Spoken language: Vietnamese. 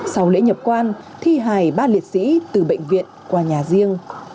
sau lễ nhập quan thi hài ba liệt sĩ từ bệnh viện qua nhà riêng